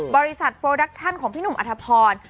บริษัทโปรดักชั่นของพี่หนุ่มอธพร